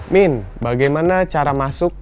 min bagaimana cara masuk